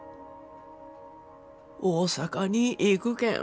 大阪に行くけん。